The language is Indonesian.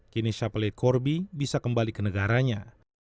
kini shappell lee corby bisa kembali ke negaranya